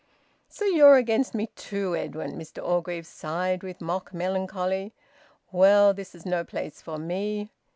"So you're against me too, Edwin!" Mr Orgreave sighed with mock melancholy. "Well, this is no place for me."